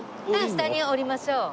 下に下りましょう。